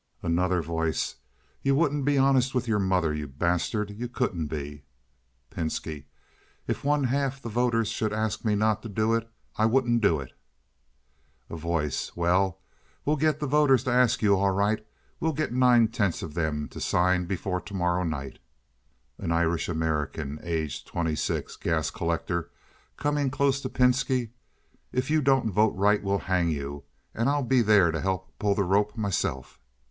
Another Voice. "You wouldn't be honest with your mother, you bastard. You couldn't be!" Pinski. "If one half the voters should ask me not to do it I wouldn't do it." A Voice. "Well, we'll get the voters to ask you, all right. We'll get nine tenths of them to sign before to morrow night." An Irish American (aged twenty six; a gas collector; coming close to Pinski). "If you don't vote right we'll hang you, and I'll be there to help pull the rope myself."